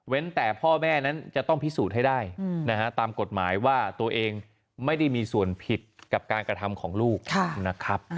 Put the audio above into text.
แต่พ่อแม่นั้นจะต้องพิสูจน์ให้ได้นะฮะตามกฎหมายว่าตัวเองไม่ได้มีส่วนผิดกับการกระทำของลูกนะครับ